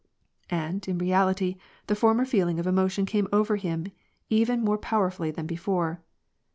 And, in reality, the former feeling of emotion came over him even more powerfully than before.